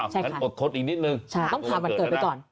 ใช่ค่ะต้องผ่านวันเกิดไปก่อนถูกต้องค่ะอดทดอีกนิดหนึ่ง